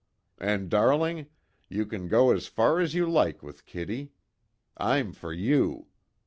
And, darling, you can go as far as you like with Kitty. I'm for you.